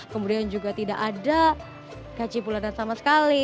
kemudian juga tidak ada gaji bulanan sama sekali